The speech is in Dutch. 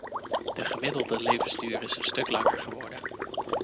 De gemiddelde levensduur is een stuk langer geworden.